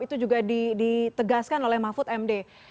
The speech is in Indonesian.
itu juga ditegaskan oleh mahfud md